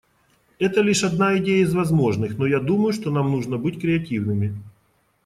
Это лишь одна идея из возможных, но я думаю, что нам нужно быть креативными.